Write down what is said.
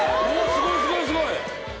すごいすごいすごい！